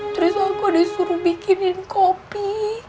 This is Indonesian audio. terus aku disuruh bikinin kopi